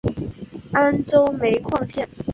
安州煤矿线